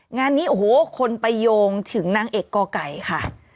งานนี้โอ้โหคนไปโยงถึงนางเอกกไก่ค่ะ